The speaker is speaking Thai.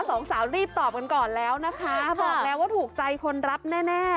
สองสาวรีบตอบกันก่อนแล้วนะคะบอกแล้วว่าถูกใจคนรับแน่แน่